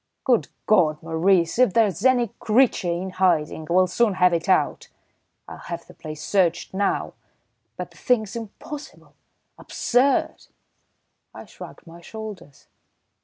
"Good God, Maurice, if there is any creature in hiding, we'll soon have it out! I'll have the place searched now. But the thing's impossible, absurd!" I shrugged my shoulders.